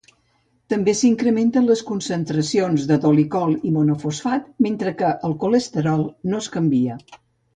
També s'incrementen les concentracions de dolicol monofosfat, mentre que el colesterol no es canvia.